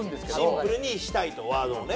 シンプルにしたいとワードをね。